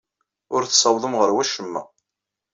Ur tessawḍem ɣer wacemma.